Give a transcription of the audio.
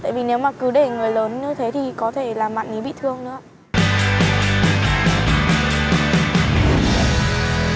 tại vì nếu mà cứ để người lớn như thế thì có thể làm bạn ấy bị thương nữa ạ